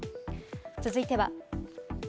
続いては。